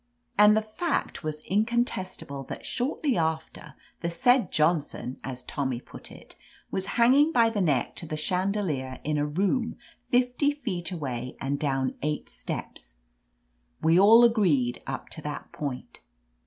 And the fact was incontestable that shortly after, the said Johnson, as Tommy put it, was hanging by the neck to the chandelier in a room fifty feet away and down eight steps. We all agreed up to that point.